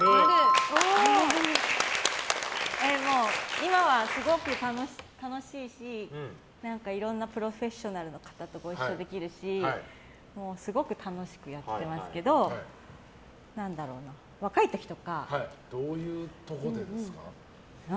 今はすごく楽しいしいろんなプロフェッショナルな方とご一緒できるしすごく楽しくやってますけどどういうところでですか？